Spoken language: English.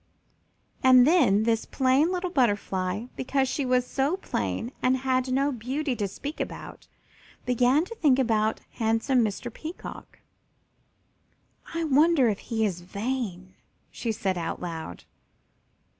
And then this plain little Butterfly, because she was so plain and had no beauty to speak about, began to think about handsome Mr. Peacock. "I wonder if he is vain?" she said out loud.